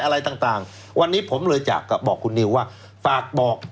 อะไรต่างวันนี้ผมเลยอยากจะบอกคุณนิวว่าฝากบอก